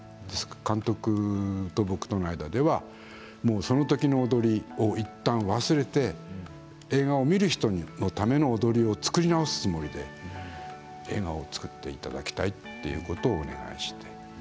ですから、監督と僕との間ではそのときの踊りをいったん忘れて映画を見る人のための踊りを作り直すつもりで映画を作っていただきたいということをお願いして。